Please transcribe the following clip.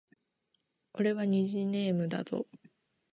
俺は虹ネームだぞ